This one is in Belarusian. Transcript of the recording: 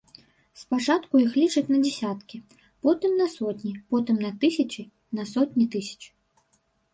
Спачатку іх лічаць на дзесяткі, потым на сотні, потым на тысячы, на сотні тысяч.